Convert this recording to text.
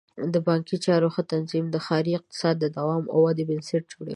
د بانکي چارو ښه تنظیم د ښاري اقتصاد د دوام او ودې بنسټ جوړوي.